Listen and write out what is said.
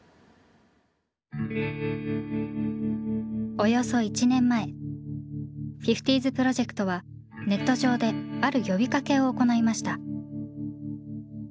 およそ１年前フィフティーズプロジェクトはネット上である呼びかけを行いました。